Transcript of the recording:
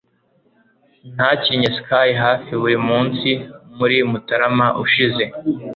Nakinnye ski hafi buri munsi muri Mutarama ushize